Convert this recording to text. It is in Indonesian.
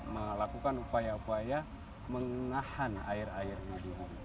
melakukan upaya upaya mengahan air air di hulu